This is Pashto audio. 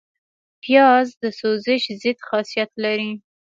پیاز د سوزش ضد خاصیت لري